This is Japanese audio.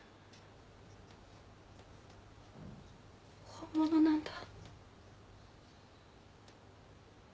本物なんだ。